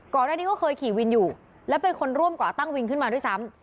ก่อนหน้านี้ก็เคยขี่วินอยู่แล้วเป็นคนร่วมก่อตั้งวินขึ้นมาด้วยซ้ำ